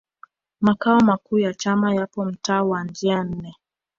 makao makuu ya chama yapo mtaa wa njia nne